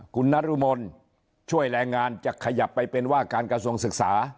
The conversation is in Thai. คุณนรมนช่วยแรงงานจะขยับไปเป็นว่าการกระทรวงศึกษา